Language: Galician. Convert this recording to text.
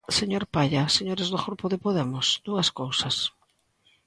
Señor Palla, señores do Grupo de Podemos, dúas cousas.